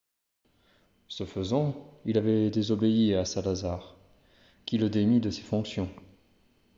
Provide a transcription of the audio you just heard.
Ce faisant, il avait désobéi à Salazar, qui le démit de ses fonctions.